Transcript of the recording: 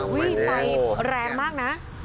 ไฟแรงมากนะ